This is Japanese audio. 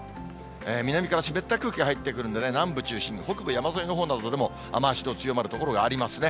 南から湿った空気が入ってくるんでね、南部中心に北部山沿いのほうなどでも雨足の強まる所がありますね。